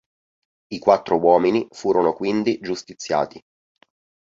I quattro uomini furono quindi giustiziati.